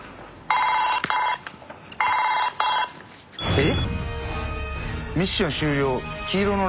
えっ！？